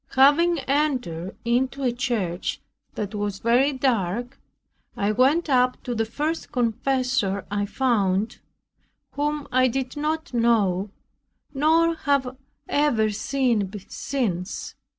Having entered into a church, that was very dark, I went up to the first confessor I found, whom I did not know, nor have ever seen since.